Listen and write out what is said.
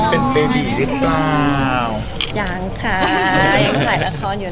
ถ้าเคลียร์ละครได้จบที่เราจะเริ่มเลยเนอะใช่ไหม